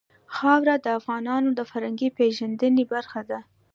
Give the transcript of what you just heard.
خاوره د افغانانو د فرهنګي پیژندنې برخه ده.